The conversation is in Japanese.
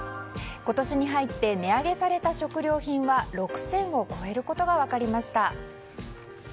今年に入って値上げされた食料品は６０００を超えることが分かりました。